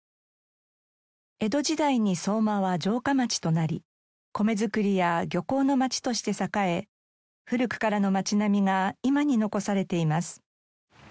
江戸時代に相馬は城下町となり米作りや漁港の町として栄え古くからの町並みが今に残されています。